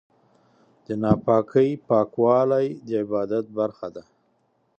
د ناپاکۍ پاکوالی د عبادت برخه ده.